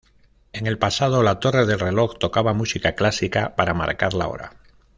En el pasado, la torre del reloj tocaba música clásica para marcar la hora.